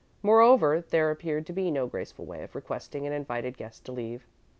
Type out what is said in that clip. Moreover, there appeared to be no graceful way of requesting an invited guest to leave.